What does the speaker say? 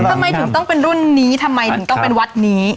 ทำไมถึงต้องเป็นรุ่นนี้ทำไมถึงต้องเป็นวัดนี้